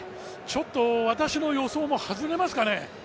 ちょっと私の予想も外れますかね。